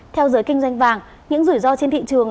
theo giới kinh doanh vàng những rủi ro trên thị trường